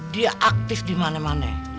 dia aktif di mana mana